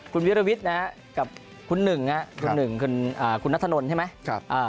คุณวิรวิทย์นะฮะกับคุณหนึ่งคุณหนึ่งคุณนัทธนนท์ใช่ไหม